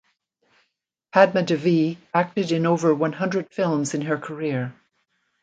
Padma Devi acted in over one hundred films in her career.